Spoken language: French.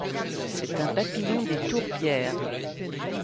C'est un papillon des tourbières.